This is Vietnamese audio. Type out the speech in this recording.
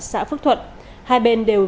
xã phước thuận hai bên đều